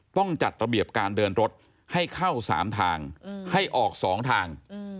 ต้องจัดระเบียบการเดินรถให้เข้า๓ทางให้ออก๒ทาง